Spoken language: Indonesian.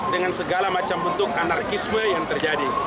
dengan segala macam bentuk anarkisme yang terjadi